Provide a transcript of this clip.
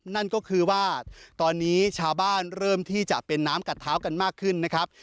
นั่นก็คือว่าตอนนี้ชาวบ้านเริ่มที่จะเป็นน้ำกัดเท้ากันมากขึ้นนะครับ